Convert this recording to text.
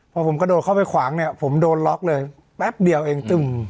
พอผมกระโดดเข้าไปขวางเนี่ยผมโดนล็อกเลยแป๊บเดียวเองตึม